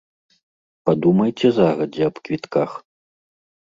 Падумайце загадзя аб квітках.